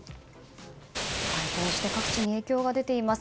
こうして各地に影響が出ています。